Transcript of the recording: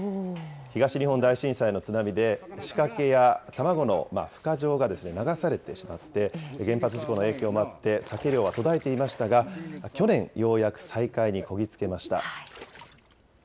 東日本大震災の津波で、仕掛けや卵のふ化場が流されてしまって、原発事故の影響もあって、サケ漁は途絶えていましたが、去年、ようやく再開にこぎ着けました。